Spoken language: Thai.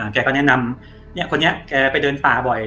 แกก็แนะนำเนี่ยคนนี้แกไปเดินป่าบ่อย